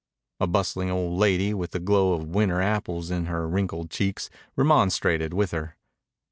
A bustling old lady with the glow of winter apples in her wrinkled cheeks remonstrated with her.